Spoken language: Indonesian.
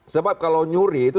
sebab kalau nyuri itu